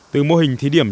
từ mô hình thí điểm